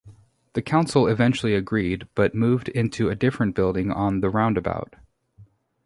The Council eventually agreed but moved into a different building on the roundabout.